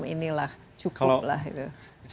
inilah cukup lah